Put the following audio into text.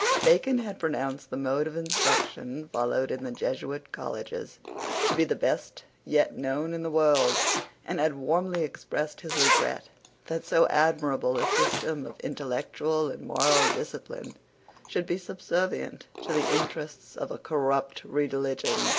Bacon had pronounced the mode of instruction followed in the Jesuit colleges to be the best yet known in the world, and had warmly expressed his regret that so admirable a system of intellectual and moral discipline should be subservient to the interests of a corrupt religion.